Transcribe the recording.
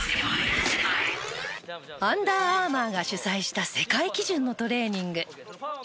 アンダーアーマーが主催した世界基準のトレーニング。